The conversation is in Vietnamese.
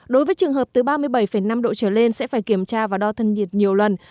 đối với trường hợp từ ba mươi bảy năm độ trở lên sẽ phải kiểm tra và đo thân nhiệt nhiều lần